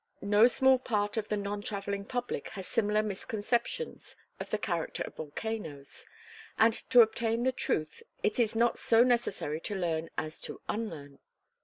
No small part of the non traveling public has similar misconceptions of the character of volcanoes; and to obtain the truth it is not so necessary to learn as to unlearn.